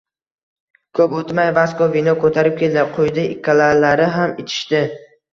Koʻp oʻtmay Vasko vino koʻtarib keldi, quydi, ikkalalari ham ichishdi.